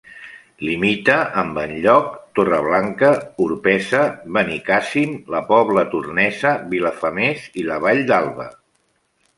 Limita amb Benlloc, Torreblanca, Orpesa, Benicàssim, la Pobla Tornesa, Vilafamés i la Vall d'Alba.